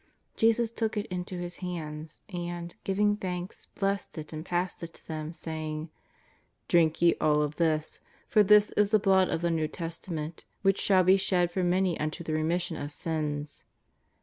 Jesus took it into His hands, and, giving thanks, blessed it and passed it to them, saying: " Drink ye all of this. For this is ^ly Blood of the 'New Testament which shall be shed for many unto the remission of sins."